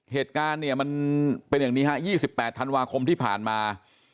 เหตุการณ์เนี่ยมันเป็นอย่างนี้ฮะ๒๘ธันวาคมที่ผ่านมา